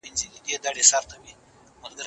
که فشار بدل سي، مانا بدلېږي.